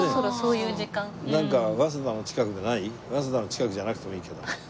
早稲田の近くじゃなくてもいいけど。